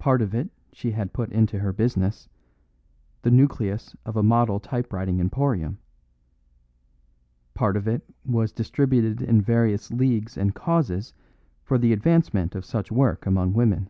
Part of it she had put into her business, the nucleus of a model typewriting emporium; part of it was distributed in various leagues and causes for the advancement of such work among women.